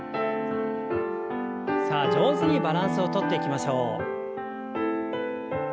さあ上手にバランスをとっていきましょう。